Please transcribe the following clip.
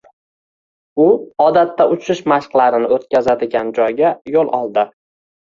U odatda uchish mashqlarini o‘tkazadigan joyga yo‘l oldi.